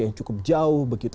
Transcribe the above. yang cukup jauh begitu